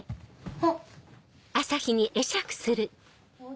・あっ！